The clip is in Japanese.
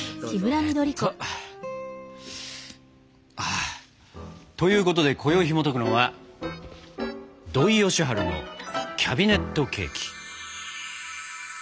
あということで今宵ひもとくのは「土井善晴のキャビネットケーキ」。